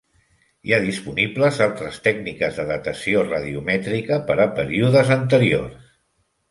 Hi ha disponibles altres tècniques de datació radiomètrica per a períodes anteriors.